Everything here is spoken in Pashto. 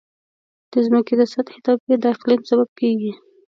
د ځمکې د سطحې توپیر د اقلیم سبب کېږي.